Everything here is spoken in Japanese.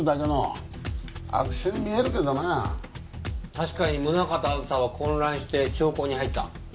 確かに宗形あずさは混乱して長考に入った。